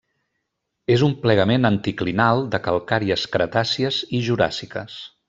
És un plegament anticlinal de calcàries cretàcies i juràssiques.